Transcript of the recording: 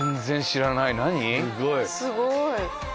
すごい。